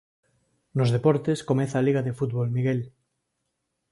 Nos deportes, comeza a Liga de fútbol, Miguel.